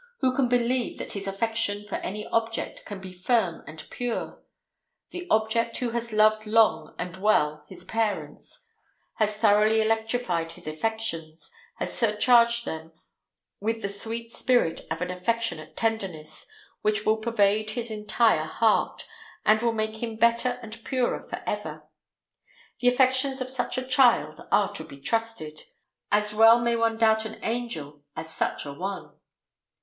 Who can believe that his affection for any object can be firm and pure? The child who has loved long and well his parents has thoroughly electrified his affections, has surcharged them with the sweet spirit of an affectionate tenderness, which will pervade his entire heart, and will make him better and purer forever. The affections of such a child are to be trusted. As well may one doubt an angel as such a one.